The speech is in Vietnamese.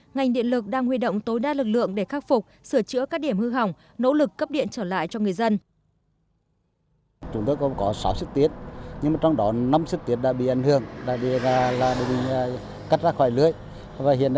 ngành điện lực đang huy động tối đa lực lượng để khắc phục sửa chữa các điểm hư hỏng nỗ lực cấp điện trở lại cho người dân